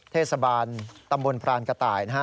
เทศบาลตำบลพรานกระต่ายนะฮะ